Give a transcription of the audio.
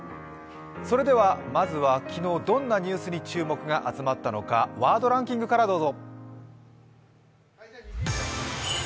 それではまずは昨日、どんなニュースに注目が集まったのかワードランキングからどうぞ。